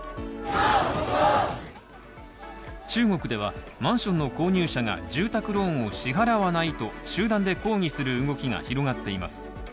中国では、マンションの購入者が住宅ローンを支払わないと集団で抗議する動きが広がっています。